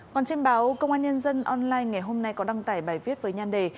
còn trên báo công an nhân dân online ngày hôm nay có đăng tải bài viết với nhan đề